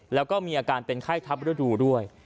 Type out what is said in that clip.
แล้วก็มีอาการเป็นไข้ทับฤดูด้วย